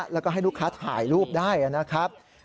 แล้วก็ให้ลูกค้าถ่ายรูปได้นะครับ